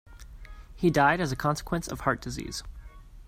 He died as a consequence of heart disease.